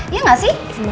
iya gak sih